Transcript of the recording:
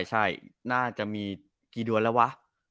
ใช่น่าจะมีกี่เดือนแล้ววะ